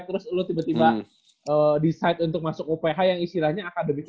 terus lo tiba tiba decide untuk masuk uph yang istilahnya akademik